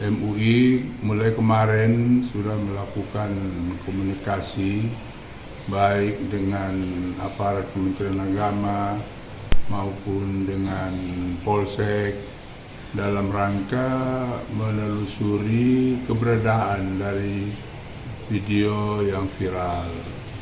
mui mulai kemarin sudah melakukan komunikasi baik dengan aparat kementerian agama maupun dengan polsek dalam rangka menelusuri keberadaan dari video yang viral